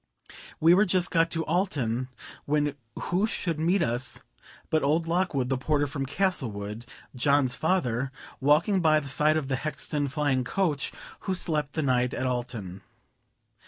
We were just got to Alton, when who should meet us but old Lockwood, the porter from Castlewood, John's father, walking by the side of the Hexton flying coach, who slept the night at Alton.